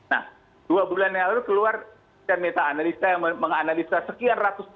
nah dua bulan yang lalu keluar meta analisa yang menganalisa sekian ratus vaksin